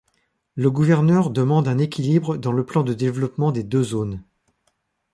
Le gouverneur demande un équilibre dans le plan de développement des deux zones.